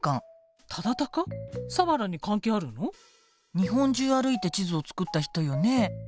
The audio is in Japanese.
日本中歩いて地図を作った人よね。